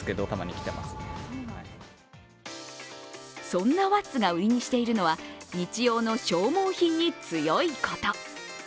そんなＷａｔｔｓが売りにしているのは日用の消耗品に強いこと。